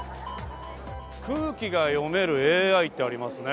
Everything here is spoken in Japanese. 空気が読めるＡＩってありますね。